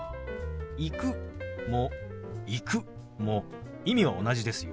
「行く」も「行く」も意味は同じですよ。